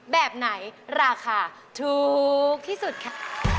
แบบไหนราคาถูกที่สุดค่ะ